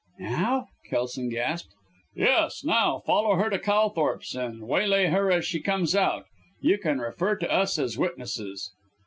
"Now?" Kelson gasped. "Yes! Now! Follow her to Calthorpe's and waylay her as she comes out. You can refer to us as witnesses."